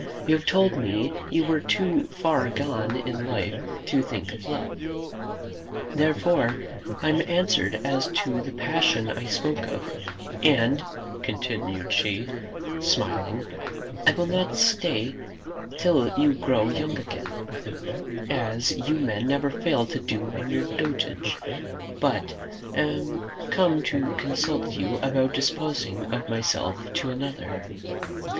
You have told me you were too far gone in life to think of love. Therefore, I am answered as to the passion I spoke of; and," continued she, smiling, "I will not stay till you grow young again, as you men never fail to do in your dotage, but am come to consult you about disposing of myself to another.